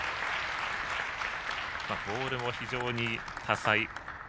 ボールも非常に多彩。